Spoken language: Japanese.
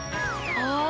ああ！